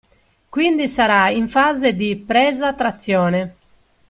Quindi sarà in fase di presa-trazione.